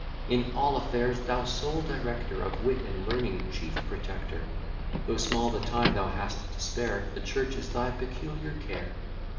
In all affairs thou sole director; Of wit and learning chief protector, Though small the time thou hast to spare, The church is thy peculiar care.